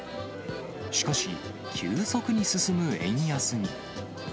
しかし、急速に進む円安に。